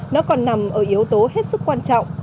nằm ở yếu tố hết sức quan trọng